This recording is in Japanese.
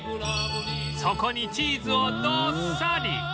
そこにチーズをどっさり！